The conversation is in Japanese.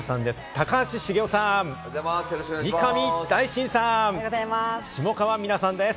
高橋茂雄さん、三上大進さん、下川美奈さんです。